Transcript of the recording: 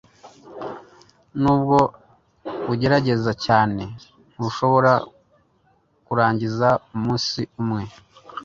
Nubwo ugerageza cyane, ntushobora kurangiza umunsi umwe